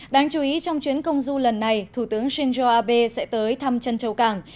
đáng chú ý trong chuyến công du lần này thủ tướng shinzo abe sẽ tới thăm trân châu cảng